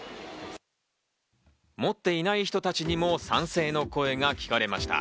持っていない人たちにも賛成の声が聞かれました。